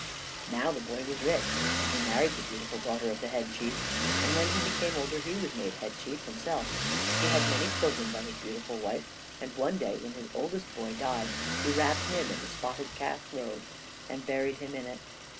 Now the boy was rich, and he married the beautiful daughter of the Head Chief, and when he became older he was made Head Chief himself. He had many children by his beautiful wife, and one day when his oldest boy died, he wrapped him in the spotted calf robe and buried him in it.